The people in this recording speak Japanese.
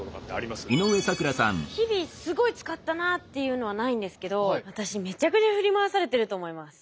まあ日々すごい使ったなっていうのはないんですけど私めちゃくちゃ振り回されてると思います。